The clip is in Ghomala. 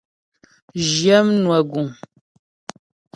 Zhyə mnwə guŋ.